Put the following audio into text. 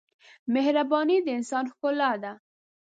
مهرباني د انسان ښکلا ده.